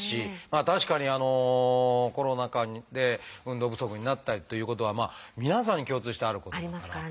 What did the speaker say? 確かにコロナ禍で運動不足になったりということは皆さんに共通してあることですから。